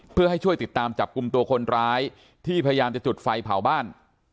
เพื่อให้ช่วยติดตามจับกลุ่มตัวคนร้ายที่พยายามจะจุดไฟเผาบ้าน